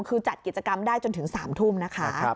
คือจัดกิจกรรมได้จนถึง๓ทุ่มนะคะ